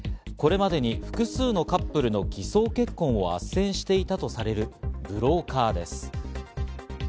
これまでに複数のカップルの偽装結婚をあっせんしていたとされるブローカーです。